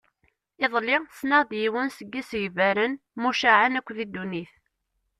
Iḍelli ssneɣ-d yiwen seg isegbaren mucaεen akk di ddunit.